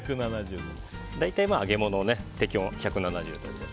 大体揚げ物の適温は１７０度で。